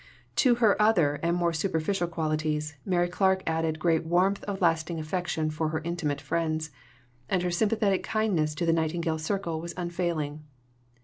To her other and more superficial qualities, Mary Clarke added great warmth of lasting affection for her intimate friends, and her sympathetic kindness to the Nightingale circle was unfailing.